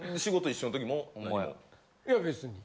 いや別に。